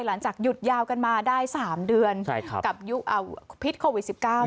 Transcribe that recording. หลังจากหยุดยาวกันมาได้๓เดือนกับยุคพิษโควิด๑๙